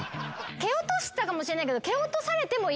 蹴落としてたかもしれないけど。